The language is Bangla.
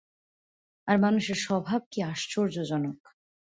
আর মানুষের স্বভাব কী আশ্চর্যজনক।